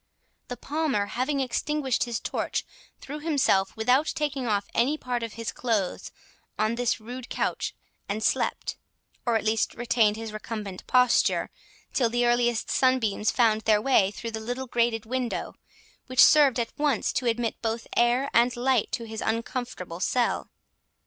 The Palmer, having extinguished his torch, threw himself, without taking off any part of his clothes, on this rude couch, and slept, or at least retained his recumbent posture, till the earliest sunbeams found their way through the little grated window, which served at once to admit both air and light to his uncomfortable cell.